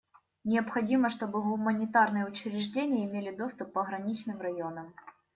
Необходимо, чтобы гуманитарные учреждения имели доступ к пограничным районам.